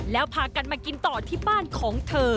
แล้วพากันมากินต่อที่บ้านของเธอ